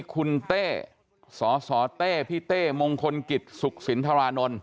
คุณเต้สสเต้พี่เต้มงคลกิจสุขสินทรานนท์